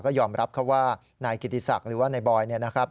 ก็ยอมรับเขาว่านายกิติศักดิ์หรือว่านายบอยเนี่ยนะครับ